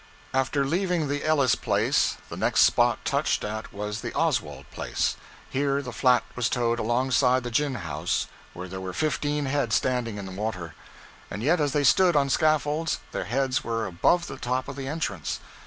After leaving the Ellis place, the next spot touched at was the Oswald place. Here the flat was towed alongside the gin house where there were fifteen head standing in water; and yet, as they stood on scaffolds, their heads were above the top of the entrance.